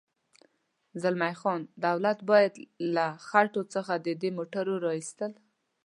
زلمی خان: دولت باید له خټو څخه د دې موټرو د را اېستلو.